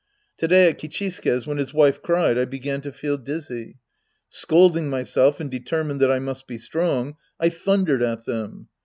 To day at Kichisuke's when his wife cried, I began to feel dizzy. Scolding myself and determined that I must be strong, I thundered at them.